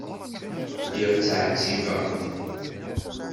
Lliɣ ttɛettibeɣ-d.